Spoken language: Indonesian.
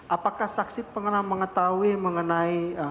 apakah saksi pernah mengetahui mengenai